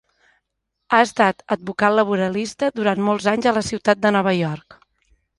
Ha estat advocat laboralista durant molts anys a la ciutat de Nova York.